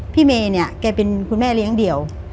เมย์เนี่ยแกเป็นคุณแม่เลี้ยงเดี่ยว